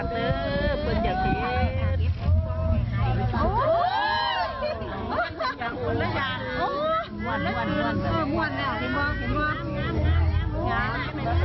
รู้มั้ยคะ